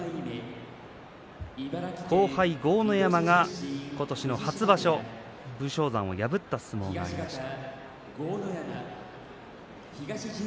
後輩の豪ノ山が今年の初場所武将山を破った相撲がありました。